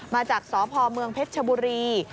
มาจากสพเมืองเพชรชบุรี